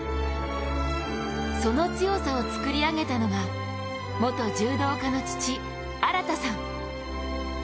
その強さを作り上げたのが、元柔道家の父・新さん。